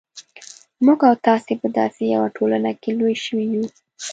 موږ او تاسې په داسې یوه ټولنه کې لوی شوي یو.